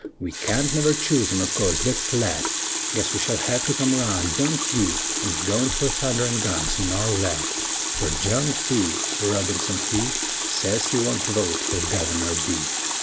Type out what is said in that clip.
We can't never choose him o' course, thet's flat; Guess we shell hev to come round, (don't you?) An' go in fer thunder an' guns, an' all that; Fer John P. Robinson he Sez he wunt vote fer Guvener B.